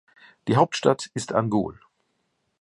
Die Hauptstadt ist Angol.